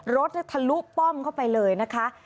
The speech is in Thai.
รถทะลุป้อมเข้าไปเลยนะคะ